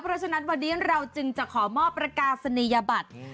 เพราะฉะนั้นวันนี้เราจึงจะขอมอบประกาศนียบัตร